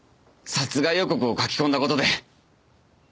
殺害予告を書き込んだ事で。